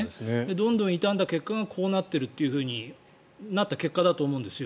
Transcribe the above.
どんどん傷んだ結果がこうなっているとなった結果だと思うんです。